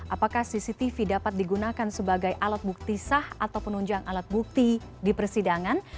apakah cctv dapat digunakan sebagai alat bukti sah atau penunjang alat bukti di persidangan